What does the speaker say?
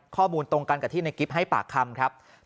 ข้อมูลตรงกับที่ในกริปให้ปากคำครับ